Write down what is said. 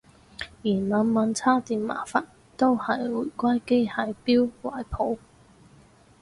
嫌晚晚叉電麻煩都係回歸機械錶懷抱